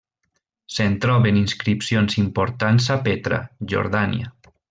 Se'n troben inscripcions importants a Petra, Jordània.